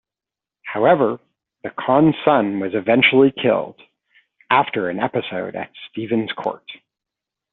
However, the Khan's son was eventually killed, after an episode at Stephens's court.